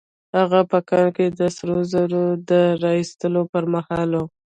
هغه په کان کې د سرو زرو د را ايستلو پر مهال وه.